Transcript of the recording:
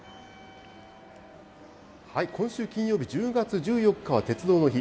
今週金曜日１０月１４日は鉄道の日。